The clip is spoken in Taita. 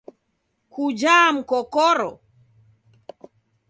Kujaa mkokoro?